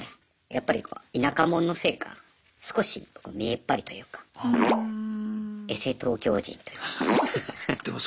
やっぱりこう田舎者のせいか少し見えっ張りというかエセ東京人というか。